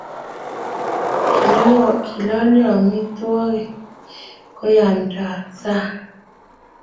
Kilalyo amitwogik ya koamnda sang'